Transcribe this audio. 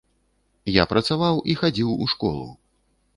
Я працаваў і хадзіў у школу.